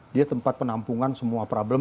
dia tempat penampungan semua problem